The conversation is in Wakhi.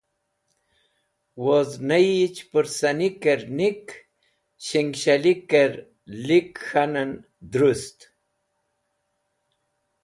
woz neyi Chẽpũrsanikẽ “nik” Shigshalikẽr “lik” k̃hanẽn drũst.